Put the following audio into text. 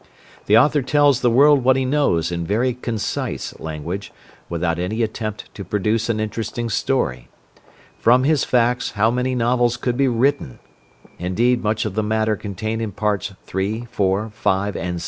The author tells the world what he knows in very concise language, without any attempt to produce an interesting story. From his facts how many novels could be written! Indeed much of the matter contained in parts III. IV. V. and VI.